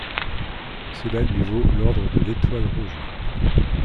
Cela lui vaut l'ordre de l'Étoile rouge.